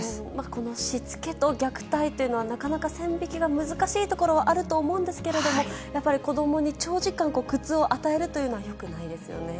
この、しつけと虐待というのは、なかなか線引きが難しいところあると思うんですけれども、やっぱり子どもに長時間苦痛を与えるというのはよくないですよね。